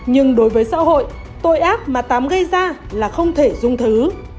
nhưng đối với xã hội tội ác mà tám gây ra là không thể dung thứ